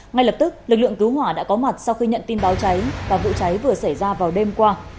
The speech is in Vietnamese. ngay lập tức lực lượng cứu hỏa đã có mặt sau khi nhận tin báo cháy và vụ cháy vừa xảy ra vào đêm qua